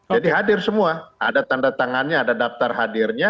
jadi hadir semua ada tanda tangannya ada daftar hadirnya